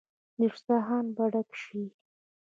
دسترخان به ډک شي.